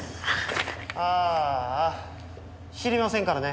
あーあ知りませんからね。